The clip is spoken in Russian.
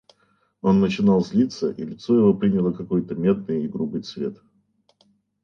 Он начинал злиться, и лицо его приняло какой-то медный и грубый цвет.